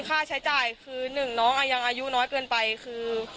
สุดท้ายตัดสินใจเดินทางไปร้องทุกข์การถูกกระทำชำระวจริงและตอนนี้ก็มีภาวะซึมเศร้าด้วยนะครับ